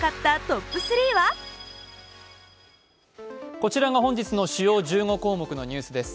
こちらが本日の主要１５項目のニュースです。